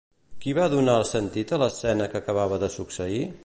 Qui va donar sentit a l'escena que acabava de succeir?